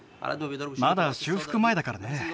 まだ修復前だからね